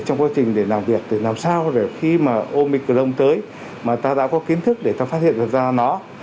trong quá trình để làm việc để làm sao để khi mà omicron tới mà ta đã có kiến thức để ta phát hiện được ra nó